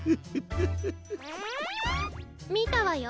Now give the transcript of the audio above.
みたわよ。